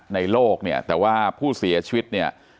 ในโลกเนี่ยแต่ว่าผู้เสียชีวิตเนี่ย